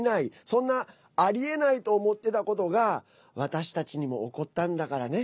そんな、ありえないと思ってたことが私たちにも起こったんだからね。